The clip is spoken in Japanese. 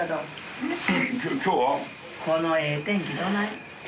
このええ天気どない？